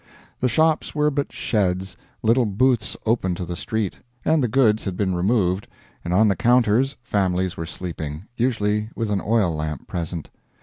The shops were but sheds, little booths open to the street; and the goods had been removed, and on the counters families were sleeping, usually with an oil lamp present.